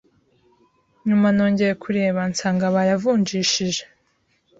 nyuma nongeye kureba nsanga bayavunjishije